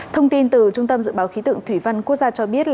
thông tin từ trung tâm dự báo khí tượng thủy văn quốc gia cho biết